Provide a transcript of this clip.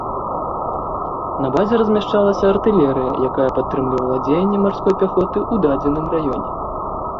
На базе размяшчалася артылерыя, якая падтрымлівала дзеянні марской пяхоты ў дадзеным раёне.